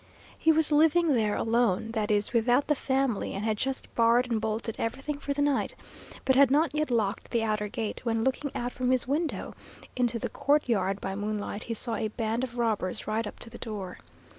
He was living there alone, that is, without the family, and had just barred and bolted everything for the night, but had not yet locked the outer gate, when looking out from his window into the courtyard by moonlight, he saw a band of robbers ride up to the door.